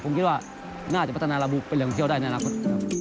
ผมคิดว่าน่าจะพัฒนาระบบเป็นแหล่งเที่ยวได้ในอนาคต